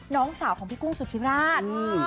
น้องสาวของพี่กุ้งสุธิราช